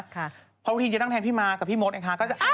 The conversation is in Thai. พอพอทีจะนั่งแทนพี่มากับพี่มดแองจี้ก็จะสวัสดีค่ะ